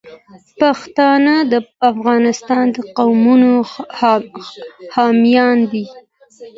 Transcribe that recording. پښتانه د افغانستان د قومونو حامیان دي.